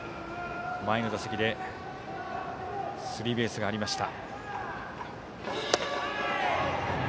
前の打席でスリーベースがありました。